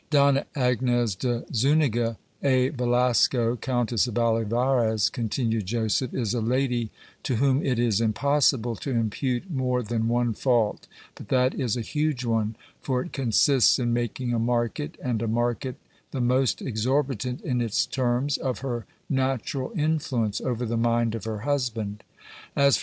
Donna Agnes de Zuniga e Velasco, Countess of Olivarez, continued Joseph, is a lady to whom it is impossible to impute more than one fault, but that is a huge one; for it consists in making a market, and a market the most exorbit ant in its terms, of her natural influence over the mind of her husband As for 402 GIL BLAS.